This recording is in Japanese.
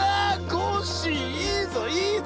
コッシーいいぞいいぞ！